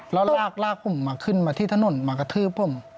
แล้วลากผมมาขึ้นมาที่ถนนมากระทืบผม